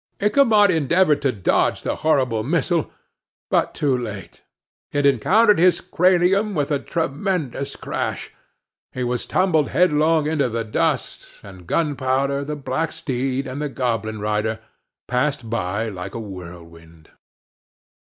Ichabod endeavored to dodge the horrible missile, but too late. It encountered his cranium with a tremendous crash, he was tumbled headlong into the dust, and Gunpowder, the black steed, and the goblin rider, passed by like a whirlwind.